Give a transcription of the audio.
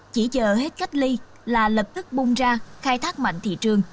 chỉ chờ hết cách ly là lập tức bung ra khai thác mạnh thị trường